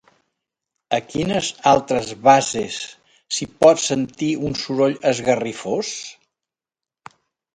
A quines altres basses s'hi pot sentir un soroll esgarrifós?